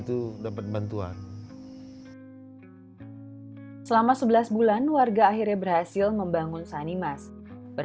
yang ngajak ribut itu siapa